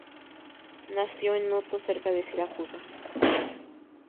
Nació en Noto, cerca de Siracusa.